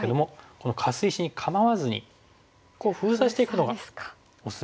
このカス石に構わずに封鎖していくのがおすすめなんですね。